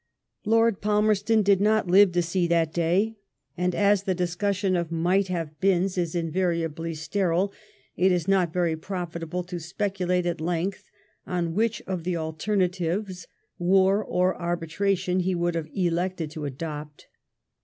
Lord Palmerston did not live to see that day ; and as the discussion of '' might have beens '* is invariably sterile, it is not very profitable to speculate at length on which of the alternatives, war or arbitra tion, he woald have elected to adopt.